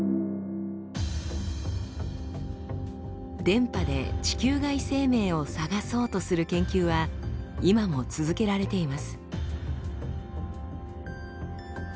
電波で地球外生命を探そうとする研究は今も続けられています。